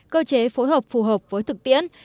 cơ chế phối hợp phù hợp với thực tiễn